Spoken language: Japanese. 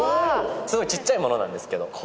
すごいちっちゃいものなんですけど。